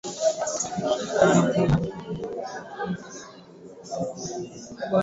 ni mwanaharakati wa masuala ya uhuru wa vyombo vya habari